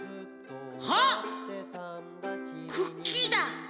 あっクッキーだ。